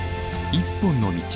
「一本の道」。